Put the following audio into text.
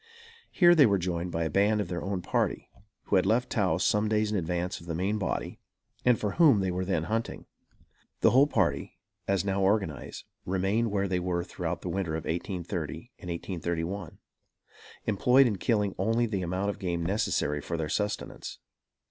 Here they were joined by a band of their own party, who had left Taos some days in advance of the main body, and for whom they were then hunting. The whole party, as now organized, remained where they were throughout the winter of 1830 and 1831, employed in killing only the amount of game necessary for their sustenance.